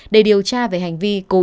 để điều tra về hành vi